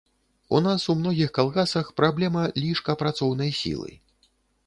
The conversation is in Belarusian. У нас у многіх калгасах праблема лішка працоўнай сілы.